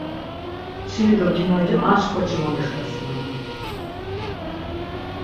Çili do kimoci anş k̆oçi momixtasinonan.